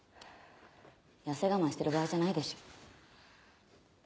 やせ我慢してる場合じゃないでしょ。